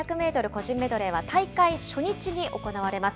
個人メドレーは、大会初日に行われます。